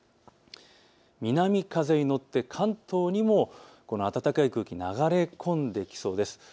南風に乗って関東にも暖かい空気が流れ込んできそうです。